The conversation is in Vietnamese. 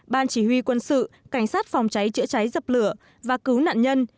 ban chỉ huy quân sự cảnh sát phòng cháy chữa cháy dập lửa và cứu nạn nhân